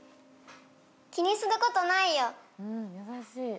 気にすることないよ